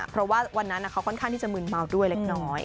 เพราะว่าวันนั้นเขาค่อนข้างที่จะมืนเมาด้วยเล็กน้อย